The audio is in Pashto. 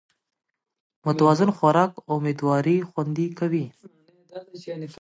متوازن خوراک امېدواري خوندي کوي